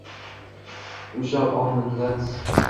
ўшал он миллат